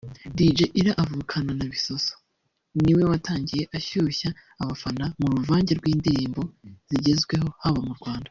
Dj Ira uvukana na Bissosso ni we watangiye ushyushya abafana mu ruvange rw’indirimbo zigezweho haba mu Rwanda